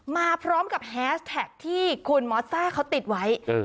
ก็ได้รู้กับแฮสแท็กที่คุณหมอซ่าเขาติดไว้